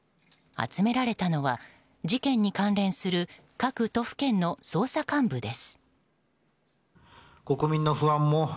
集められたのは、事件に関連する各都府県の捜査幹部です。